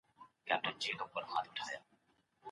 هغه اوس کولی شي په ارام سره تقاعد وکړي.